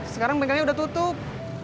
sekarang bkl nya udah tutup